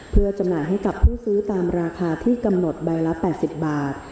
เพื่อจำหน่ายให้กับผู้ซื้อตามราคาที่กำหนดใบละ๘๐บาท